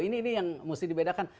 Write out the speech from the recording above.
ini yang mesti dibedakan